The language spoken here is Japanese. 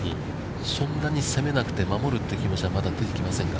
そんなに攻めなくて、守るって気持ちは出てきませんか。